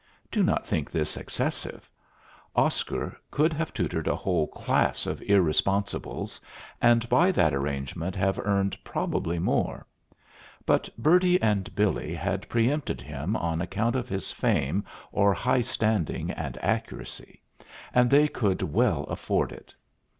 Do not think this excessive. Oscar could have tutored a whole class of irresponsibles, and by that arrangement have earned probably more; but Bertie and Billy had preempted him on account of his fame or high standing and accuracy, and they could well afford it.